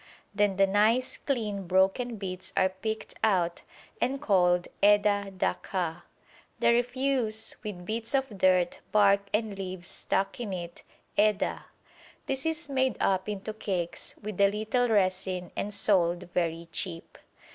Then the nice, clean, broken bits are picked out, and called edah dakkah; the refuse, with bits of dirt, bark, and leaves stuck in it, edah. This is made up into cakes with a little resin and sold very cheap.